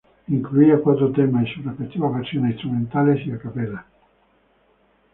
Incluía cuatro temas y sus respectivas versiones instrumentales y a capella.